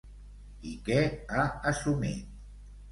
I què ha assumit?